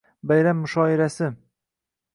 Bayram mushoirasi